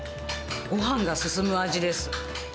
ごはんが進む味です。